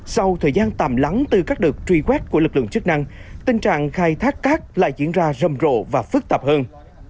sau thời gian tạm lắng từ các đợt truy quét của lực lượng chức năng tình trạng khai thác cát lại diễn ra rầm rộ và phức tạp hơn